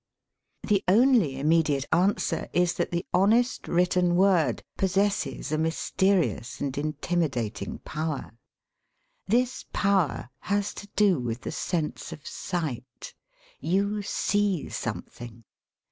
The only immediate answer is that the honest written word possesses a mysteri ous and intimidating power. This power has to do with the sense of sight. You see something.